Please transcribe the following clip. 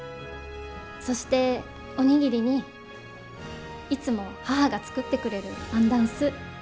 そしてお握りにいつも母が作ってくれるアンダンスー